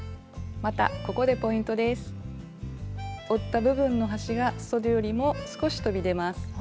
折った部分の端がそでよりも少しとび出ます。